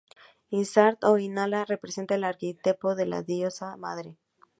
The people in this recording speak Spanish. Ishtar o Inanna representa el arquetipo de la Diosa madre.